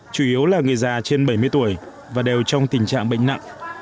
chủ yếu là người già trên bảy mươi tuổi và đều trong tình trạng bệnh nặng